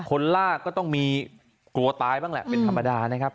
ลากก็ต้องมีกลัวตายบ้างแหละเป็นธรรมดานะครับ